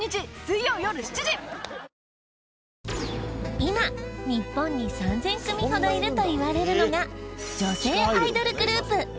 今日本に３０００組ほどいるといわれるのが女性アイドルグループ。